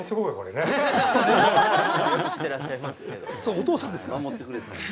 お父さんですからね。